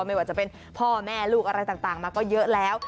ไม่ว่าจะเป็นพ่อแม่ลูกอะไรต่างมาก็เยอะแล้ว